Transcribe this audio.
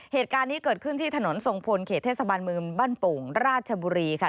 เหตุการณ์นี้เกิดขึ้นที่ถนนทรงพลเขตเทศบาลเมืองบ้านโป่งราชบุรีค่ะ